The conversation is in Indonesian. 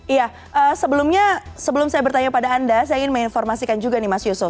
iya sebelumnya sebelum saya bertanya pada anda saya ingin menginformasikan juga nih mas yusuf